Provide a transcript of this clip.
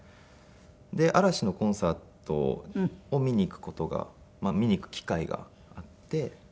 で嵐のコンサートを見に行く事が見に行く機会があって。